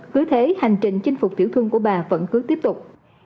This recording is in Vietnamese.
cứ thế hành trình chinh phục tiểu thương của bà vẫn cứ tiếp tục